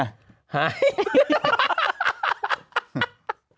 หาย